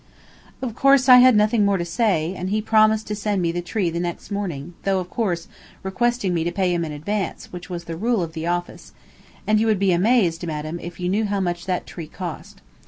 Of course, I had nothing more to say, and he promised to send me the tree the next morning, though, of course, requesting me to pay him in advance, which was the rule of the office, and you would be amazed, madam, if you knew how much that tree cost.